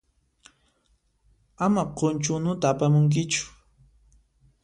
Ama qunchu unuta apamunkichu.